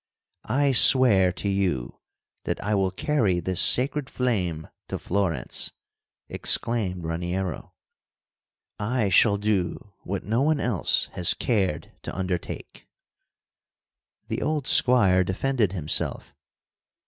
"I swear to you that I will carry this sacred flame to Florence!" exclaimed Raniero. "I shall do what no one else has cared to undertake." The old squire defended himself.